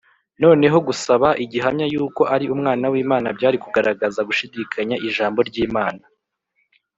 noneho gusaba igihamya yuko ari Umwana w’Imana byari kugaragaza gushidikanya ijambo ry’Imana